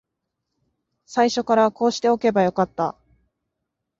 最初からこうしておけばよかった